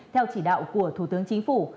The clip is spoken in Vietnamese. theo chỉ đạo của thủ tướng chính phủ